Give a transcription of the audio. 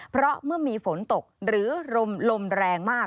เพราะเมื่อมีฝนตกหรือลมแรงมาก